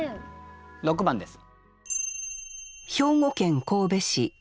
６番です。